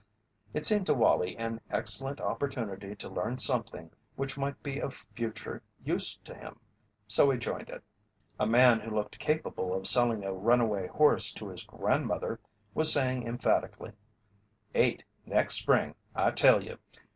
It seemed to Wallie an excellent opportunity to learn something which might be of future use to him, so he joined it. A man who looked capable of selling a runaway horse to his grandmother was saying emphatically: "Eight, next spring, I tell you.